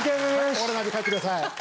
終わらないで帰って下さい。